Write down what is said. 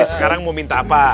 sekarang mau minta apa